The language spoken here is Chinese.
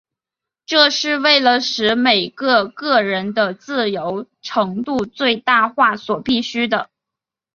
这是为了使每个个人的自由程度最大化所必需的。